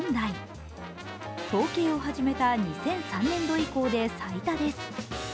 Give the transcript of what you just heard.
統計を始めた２００３年度以降で最多です。